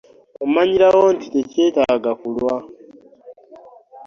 Omanyirawo nti tekyetaaga kulwa.